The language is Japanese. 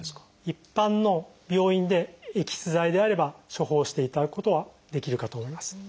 一般の病院でエキス剤であれば処方していただくことはできるかと思います。